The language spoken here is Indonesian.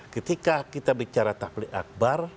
ketika kita bicara taflik akbar